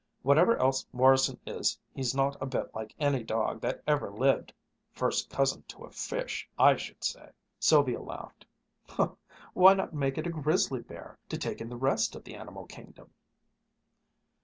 Whatever else Morrison is he's not a bit like any dog that ever lived first cousin to a fish, I should say." Sylvia laughed. "Why not make it grizzly bear, to take in the rest of the animal kingdom?"